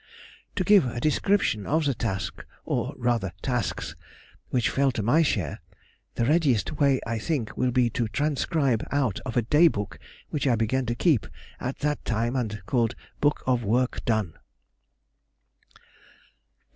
_] To give a description of the task (or rather tasks) which fell to my share, the readiest way I think will be to transcribe out of a day book which I began to keep at that time, and called "Book of work done."